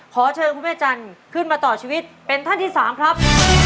ขอเชิญคุณแม่จันทร์ขึ้นมาต่อชีวิตเป็นท่านที่๓ครับ